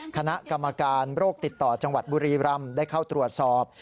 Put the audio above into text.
คณะกรรมการโรคติดต่อจังหวัดบุรีรำได้เข้าตรวจสอบ